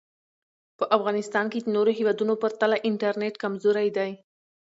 په افغانیستان کې د نورو هېوادونو پرتله انټرنټ کمزوری دی